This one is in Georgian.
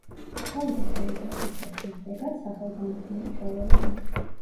თავისი დროისათვის და შემდეგაც სახელგანთქმული ხელოვანი.